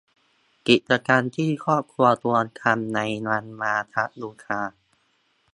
กิจกรรมที่ครอบครัวควรทำในวันมาฆบูชา